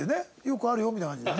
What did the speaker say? よくあるよみたいな感じで。